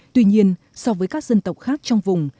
tuy nhiên so với các dân tộc khác trong vùng